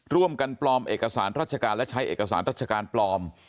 ร่วมกันปลอมเอกสารราชการและใช้เอกสารราชการปลอม